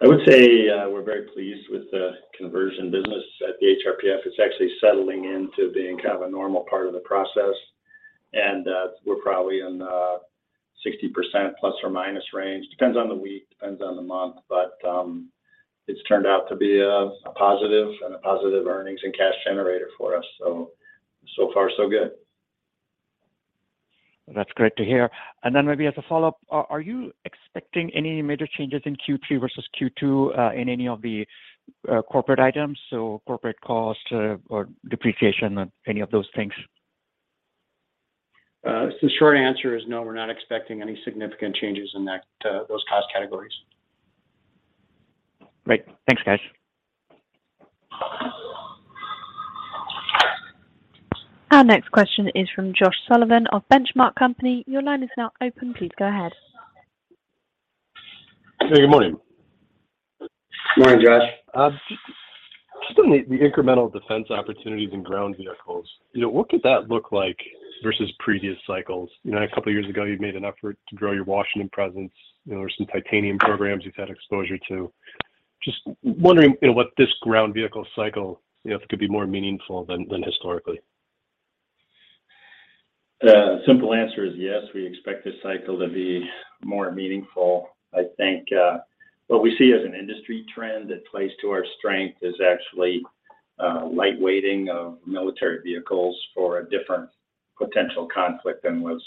I would say, we're very pleased with the conversion business at the HRPF. It's actually settling into being kind of a normal part of the process. We're probably in the 60% plus or minus range. Depends on the week, depends on the month. It's turned out to be a positive earnings and cash generator for us, so far so good. That's great to hear. Then maybe as a follow-up, are you expecting any major changes in Q3 versus Q2 in any of the corporate items? Corporate cost or depreciation or any of those things? The short answer is no, we're not expecting any significant changes in that, those cost categories. Great. Thanks, guys. Our next question is from Josh Sullivan of Benchmark Company. Your line is now open. Please go ahead. Hey, good morning. Morning, Josh. Just on the incremental defense opportunities and ground vehicles, you know, what could that look like versus previous cycles? You know, a couple years ago, you made an effort to grow your Washington presence. You know, there were some titanium programs you've had exposure to. Just wondering, you know, what this ground vehicle cycle, you know, if it could be more meaningful than historically. The simple answer is yes, we expect this cycle to be more meaningful. I think, what we see as an industry trend that plays to our strength is actually, lightweighting of military vehicles for a different potential conflict than was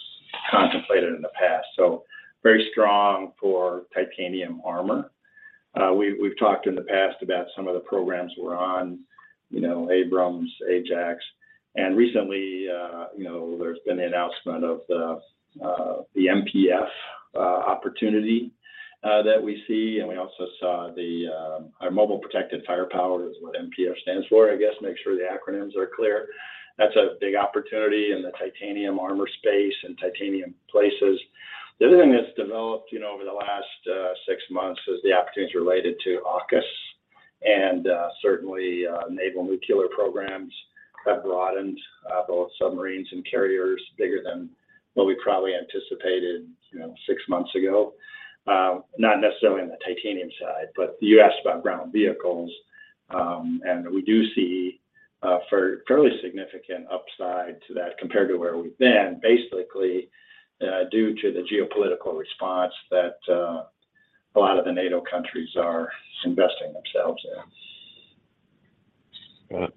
contemplated in the past. Very strong for titanium armor. We've talked in the past about some of the programs we're on, you know, Abrams, Ajax. Recently, you know, there's been the announcement of the MPF opportunity that we see. We also saw our Mobile Protected Firepower is what MPF stands for. I guess, make sure the acronyms are clear. That's a big opportunity in the titanium armor space and titanium plates. The other thing that's developed, you know, over the last six months is the opportunities related to AUKUS. Certainly, naval nuclear programs have broadened both submarines and carriers bigger than what we probably anticipated, you know, six months ago. Not necessarily on the titanium side, but you asked about ground vehicles. We do see a fairly significant upside to that compared to where we've been, basically, due to the geopolitical response that a lot of the NATO countries are investing themselves in. Got it.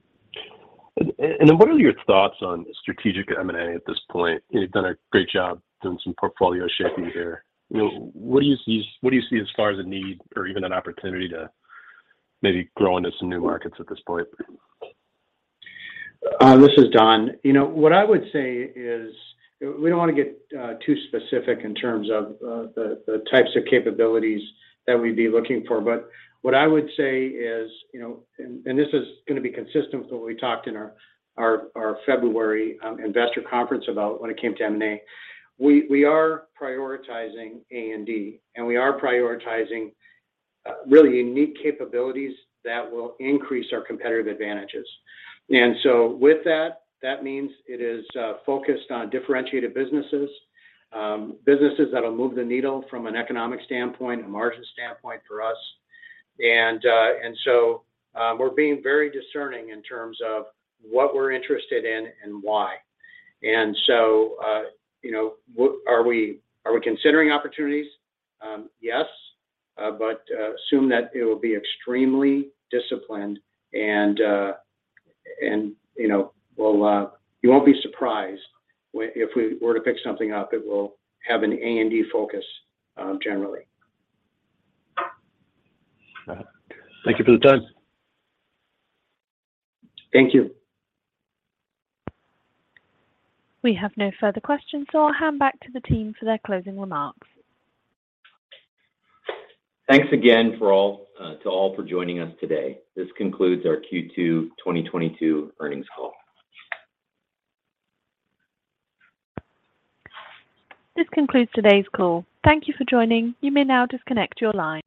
What are your thoughts on strategic M&A at this point? You've done a great job doing some portfolio shaping here. You know, what do you see as far as a need or even an opportunity to maybe grow into some new markets at this point? This is Don. You know, what I would say is we don't wanna get too specific in terms of the types of capabilities that we'd be looking for. What I would say is, you know, this is gonna be consistent with what we talked in our February investor conference about when it came to M&A, we are prioritizing A&D, and we are prioritizing really unique capabilities that will increase our competitive advantages. With that means it is focused on differentiated businesses that'll move the needle from an economic standpoint, a margin standpoint for us. We're being very discerning in terms of what we're interested in and why. You know, are we considering opportunities? Yes. Assume that it will be extremely disciplined and, you know, you won't be surprised if we were to pick something up. It will have an A&D focus, generally. All right. Thank you for the time. Thank you. We have no further questions, so I'll hand back to the team for their closing remarks. Thanks again for all, to all for joining us today. This concludes our Q2 2022 earnings call. This concludes today's call. Thank you for joining. You may now disconnect your line.